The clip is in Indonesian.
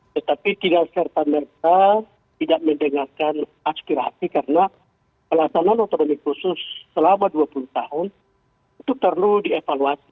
tetapi tidak serta merta tidak mendengarkan aspirasi karena pelaksanaan otonomi khusus selama dua puluh tahun itu perlu dievaluasi